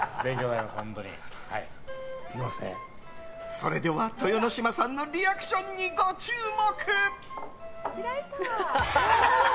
それでは、豊ノ島さんのリアクションにご注目！